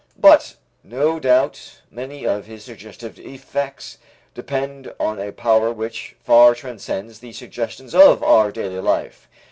But no doubt many of his suggestive effects depend on a power which far transcends the suggestions of our daily life.